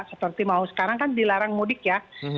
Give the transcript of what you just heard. seperti mau sekarang kan dilarang mudik ya